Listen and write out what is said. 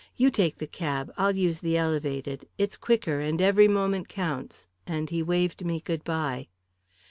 "You take the cab. I'll use the elevated. It's quicker, and every moment counts," and he waved me good bye.